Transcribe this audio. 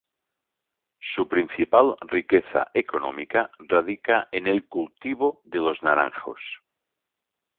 Su principal riqueza económica radica en el cultivo de los naranjos.